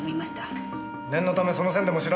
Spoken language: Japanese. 念のためその線でも調べてみろ。